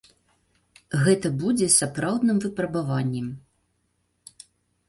Гэта будзе сапраўдным выпрабаваннем.